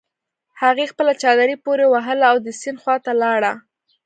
هغې خپله چادري پورې وهله او د سيند خواته لاړه.